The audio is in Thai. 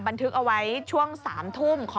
บันทึกเอาไว้ช่วง๓ทุ่มของ